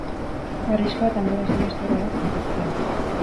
Arriskua eta nola saihestu erabat jakitzea